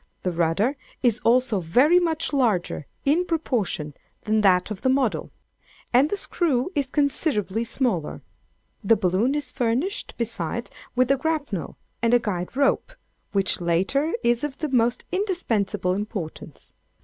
The rudder is also very much larger, in proportion, than that of the model; and the screw is considerably smaller. The balloon is furnished besides with a grapnel, and a guide rope; which latter is of the most indispensable importance.